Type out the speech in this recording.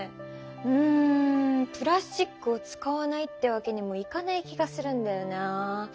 うんプラスチックを使わないってわけにもいかない気がするんだよな。